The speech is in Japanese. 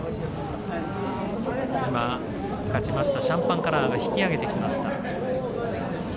勝ちました、シャンパンカラーが引き上げてきました。